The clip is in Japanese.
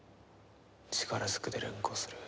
力ずくで連行する。